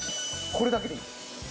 これだけでいいんです。